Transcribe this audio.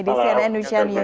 di cnn indonesia news